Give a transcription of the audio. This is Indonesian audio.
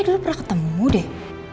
kenapa harus gua sih